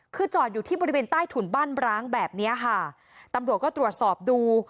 คือจอดอยู่ที่บริเวณใต้ถุนบ้านร้างแบบเนี้ยค่ะตำรวจก็ตรวจสอบดู